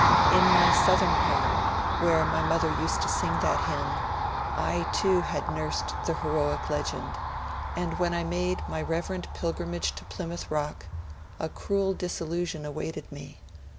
In my Southern home, where my mother used to sing that hymn, I too had nursed the heroic legend, and when I made my reverent pilgrimage to Plym outh Sock, a cruel disillusion awaited me.